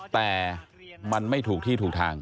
แต่มันไม่ถูกที่ถูกทาง